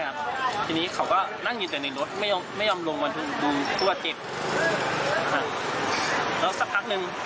รับรุ่งนรถลงไปรูปรั่ง